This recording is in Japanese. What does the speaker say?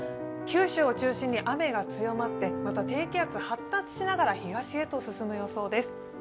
九州を中心に雨が強まってまた低気圧が発達しながら東へと進む予想です。